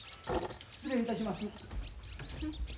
・失礼いたします。